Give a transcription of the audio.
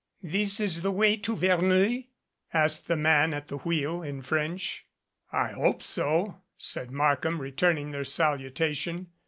"This is the way to Verneuil?" asked the man at the wheel in French. "I hope so," said Markham returning their salutation.